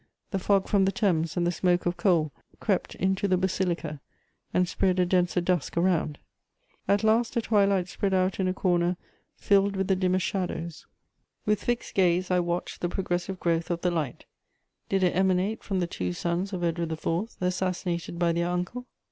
The fog from the Thames and the smoke of coal crept into the basilica, and spread a denser dusk around. At last a twilight spread out in a corner filled with the dimmest shadows: with fixed gaze I watched the progressive growth of the light; did it emanate from the two sons of Edward IV., assassinated by their uncle?